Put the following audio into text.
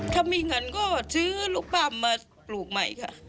ถ้ามีเงินก็ซื้อลูกปั้มมาปลูกใหม่ค่ะ